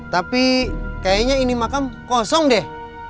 tapi kayaknya ini makam kosong deh